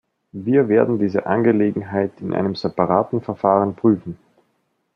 Wir werden diese Angelegenheit in einem separaten Verfahren prüfen.